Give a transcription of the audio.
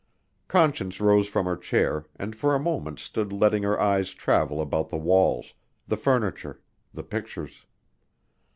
Conscience rose from her chair and for a moment stood letting her eyes travel about the walls, the furniture, the pictures.